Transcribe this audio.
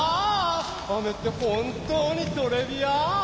雨って本当にトレビアーン！